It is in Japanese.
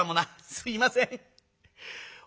「すいません帯も」。